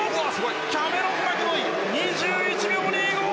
キャメロン・マケボイ２１秒２５！